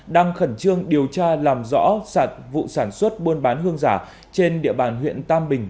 đang khẩn trương điều tra làm rõ sản vụ sản xuất buôn bán hương giả trên địa bàn huyện tam bình